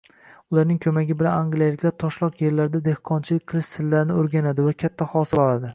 Ularning koʻmagi bilan angliyaliklar toshloq yerlarda dehqonchilik qilish sirlarini oʻrganadi va katta hosil oladi